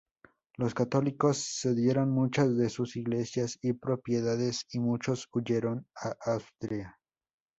Los católicos cedieron muchas de sus iglesias y propiedades y muchos huyeron a Austria.